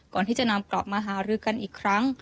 ก่อนที่จะนำกลับมาหารือกันอีกครั้ง